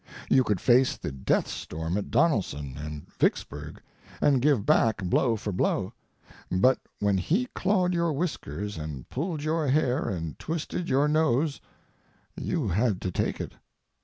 You could face the death storm at Donelson and Vicksburg, and give back blow for blow; but when he clawed your whiskers, and pulled your hair, and twisted your nose, you had to take it.